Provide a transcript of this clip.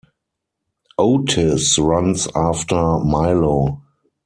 Otis runs after Milo.